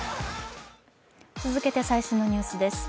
続けて最新のニュースです。